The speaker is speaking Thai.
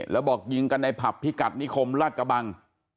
แล้วบอกยิงกันในผับพิกัดนิคมราชกระบัง